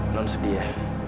non sedih ya